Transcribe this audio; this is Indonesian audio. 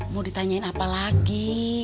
mau ditanyain apa lagi